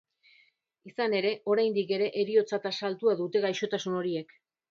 Izan ere, oraindik ere, heriotza-tasa altua dute gaixotasun horiek.